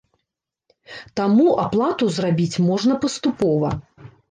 Таму аплату зрабіць можна паступова.